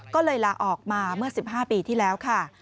ก็เลยลาออกมาเมื่อ๑๕ปีที่แล้วค่ะ